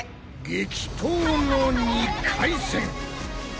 激闘の２回戦！